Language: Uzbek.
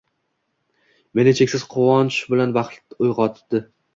Meni cheksiz quvonch bilan baxt uyg’otdi.